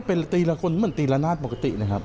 เป็นตีละคนเหมือนตีละนาดปกตินะครับ